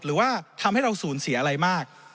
หรือว่าทำให้เราสูญเสียอะไรมาก